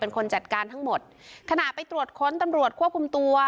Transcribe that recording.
เป็นคนจัดการทั้งหมดขณะไปตรวจค้นตำรวจควบคุมตัว